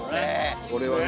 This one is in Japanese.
これはね